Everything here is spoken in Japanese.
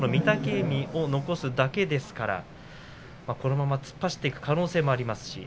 海を残すだけですからこのまま突っ走っていく可能性もあります。